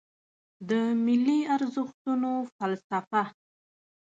د ملي ارزښتونو فلسفه